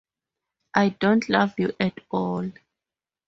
I don't love you at all!